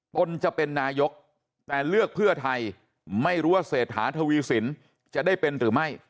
ตนจะเป็นนายกแต่เลือกเพื่อไทยไม่รู้ว่าเศรษฐาทวีสินจะได้เป็นหรือไม่